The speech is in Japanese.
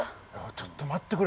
ちょっと待ってくれ。